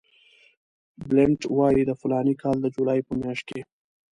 بلنټ وایي د فلاني کال د جولای په میاشت کې.